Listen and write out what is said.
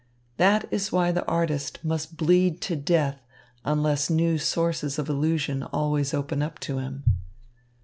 That is why the artist must bleed to death unless new sources of illusion always open up to him.